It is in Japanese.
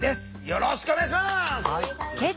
よろしくお願いします。